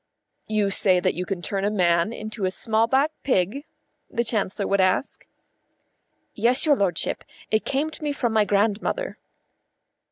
"You say that you can turn a man into a small black pig?" the Chancellor would ask. "Yes, your lordship. It came to me from my grandmother."